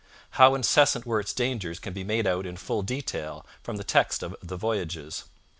How incessant were its dangers can be made out in full detail from the text of the Voyages.